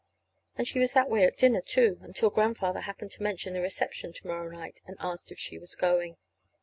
And she was that way at dinner, too, until Grandfather happened to mention the reception to morrow night, and ask if she was going.